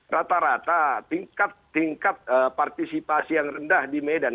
rata rata tingkat tingkat partisipasi yang rendah di medan